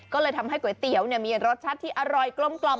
ก็เลยทำให้ก๋วยเตี๋ยวมีรสชาติที่อร่อยกลม